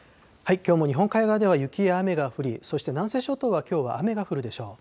きょうも日本海側では雪や雨が降り、そして南西諸島はきょうは雨が降るでしょう。